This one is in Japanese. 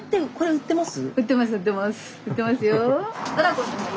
売ってますよ。